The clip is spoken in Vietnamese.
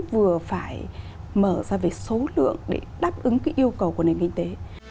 vừa phải mở ra về số lượng để đáp ứng cái yêu cầu của nền kinh tế